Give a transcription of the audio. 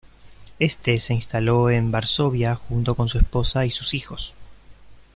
Este se instaló en Varsovia junto con su esposa y sus hijos.